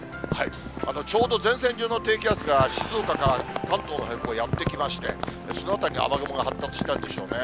ちょうど前線上の低気圧が静岡から関東の辺、やって来まして、そのあたりに雨雲が発達したんでしょうね。